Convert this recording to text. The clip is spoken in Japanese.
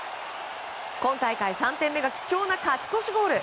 今大会３点目が貴重な勝ち越しゴール。